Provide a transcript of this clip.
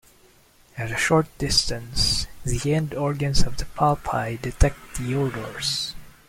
At a short distance, the end organs of the palpi detect the odors.